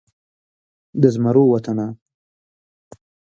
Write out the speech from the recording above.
د زمرو وطنه